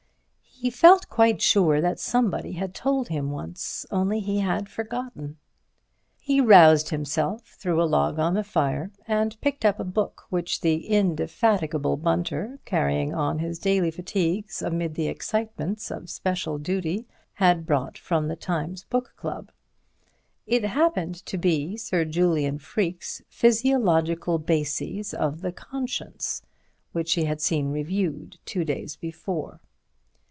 He felt quite sure that somebody had told him once, only he had forgotten. He roused himself, threw a log on the fire, and picked up a book which the indefatigable Bunter, carrying on his daily fatigues amid the excitements of special duty, had brought from the Times Book Club. It happened to be Sir Julian Freke's "Physiological Bases of the Conscience," which he had seen reviewed two days before.